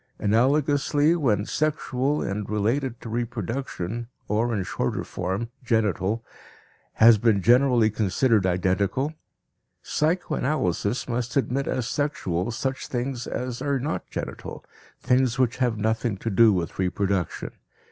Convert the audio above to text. Analogously, when "sexual" and "related to reproduction" (or, in shorter form, "genital") has been generally considered identical, psychoanalysis must admit as "sexual" such things as are not "genital," things which have nothing to do with reproduction.